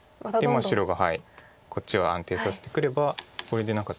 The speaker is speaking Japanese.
で白がこっちを安定させてくればこれで何か。